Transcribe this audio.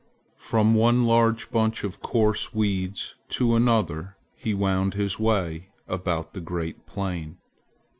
From one large bunch of coarse weeds to another he wound his way about the great plain.